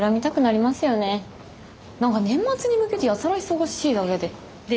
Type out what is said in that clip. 何か年末に向けてやたら忙しいだけで。